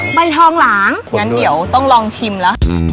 งั้นเดี่ยวเราต้องลองชิมหรอ